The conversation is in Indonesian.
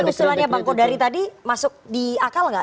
tapi usulannya bang kodari tadi masuk di akal nggak